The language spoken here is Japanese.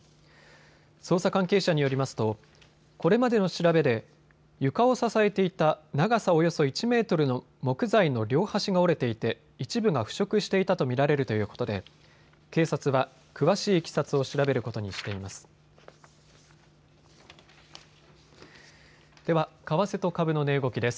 捜査関係者によりますとこれまでの調べで床を支えていた長さおよそ１メートルの木材の両端が折れていて一部が腐食していたと見られるということで警察は詳しいいきさつを調べることにしています。